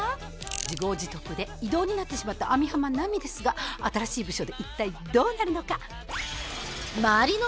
自業自得で異動になってしまった網浜奈美ですが新しい部署で一体どうなるのか？